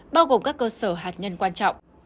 bao gồm các cơ sở hạt nhân quan trọng